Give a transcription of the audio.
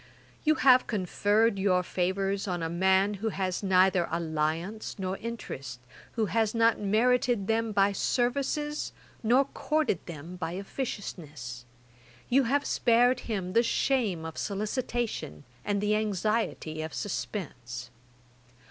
You have conferred your favours on a man who has neither alliance nor interest, who has not merited them by services, nor courted them by officiousness; you have spared him the shame of solicitation, and the anxiety of suspense. [Page 377: A visit to Devonshire.